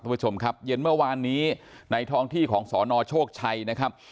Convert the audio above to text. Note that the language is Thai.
ผู้ชมครับเย็นเมื่อวานนี้ในท้องที่ของสนโชคชัยนะครับ